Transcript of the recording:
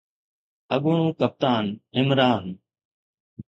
اڳوڻو ڪپتان عمران